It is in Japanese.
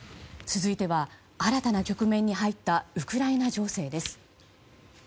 続いては新たな局面に入ったウクライナ情勢です。